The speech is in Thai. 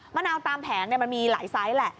มะนาวตามแผงมันมีหลายไซส์แหละ